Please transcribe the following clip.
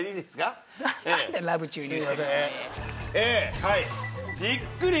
はい。